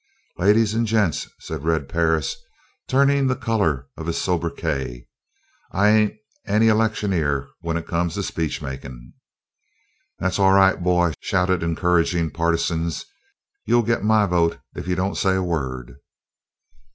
"Ladies and gents," said Red Perris, turning the color of his sobriquet. "I ain't any electioneer when it comes to speech making." "That's all right, boy," shouted encouraging partisans. "You'll get my vote if you don't say a word."